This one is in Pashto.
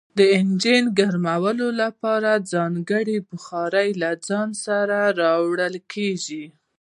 د انجن ګرمولو لپاره ځانګړي بخارۍ له ځان سره وړل کیږي